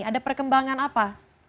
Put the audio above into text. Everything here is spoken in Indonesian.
ada perkembangan apa